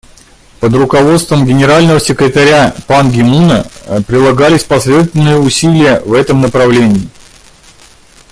Под руководством Генерального секретаря Пан Ги Муна прилагались последовательные усилия в этом направлении.